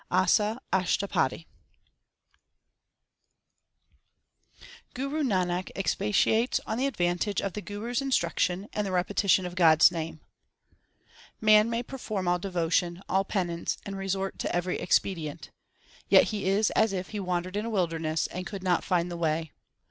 ASA ASHTAPADI Guru Nanak expatiates on the advantage of the Guru s instruction and the repetition of God s name : Man may perform all devotion, all penance, and resort to every expedient ;, Yet he is as if he wandered in a wilderness, and could not find the way.